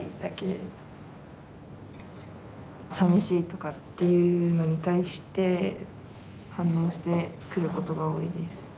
さみしいとかっていうのに対して反応してくることが多いです。